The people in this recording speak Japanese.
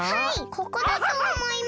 ここだとおもいます。